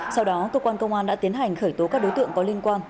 sau đó cơ quan công an đã tiến hành khởi tố các đối tượng có liên quan